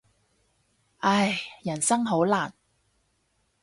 唉，人生好難。